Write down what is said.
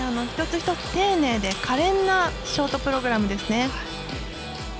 一つ一つ丁寧でかれんなショートプログラムですね。